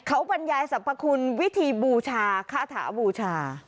เขาบรรยายสรรพคุณวิธีบูชาคาถาบูชา